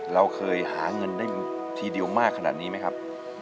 เราเคยหาเงินได้ทีเดียวมากขนาดนี้ไหมครับ